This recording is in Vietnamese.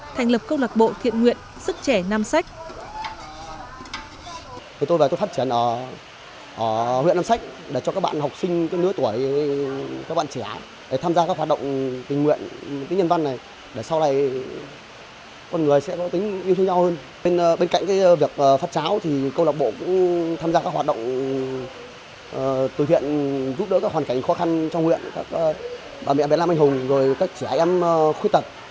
thành lập câu lọc bộ thiện nguyện sức trẻ nam sách